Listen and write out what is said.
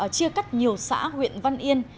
chia cắt nhiều xã huyện văn yên